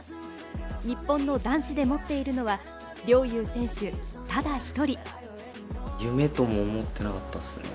日本の男子で持っているのは陵侑選手、ただ１人。